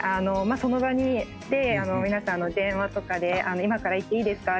その場に行って皆さんの電話とかで今から行っていいですか？